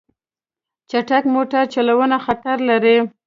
چټک موټر چلوونه خطر لري.